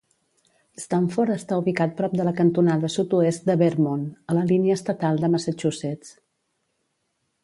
Stamford està ubicat prop de la cantonada sud-oest de Vermont, a la línia estatal de Massachusetts.